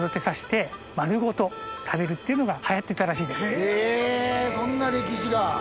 へぇそんな歴史が。